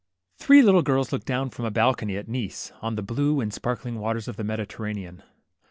T hree little girls looked down from a balcony at Nice, on the blue and sparkling waters of the Mediterranean.